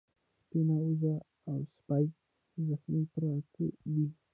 سپينه وزه او سپی زخمي پراته دي.